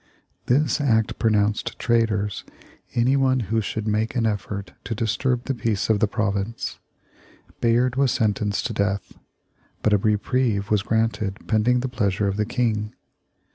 This act pronounced traitors anyone who should make an effort to disturb the peace of the province. Bayard was sentenced to death, but a reprieve was granted pending the pleasure of the King.